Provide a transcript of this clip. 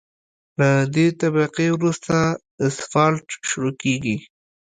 له دې طبقې وروسته اسفالټ شروع کیږي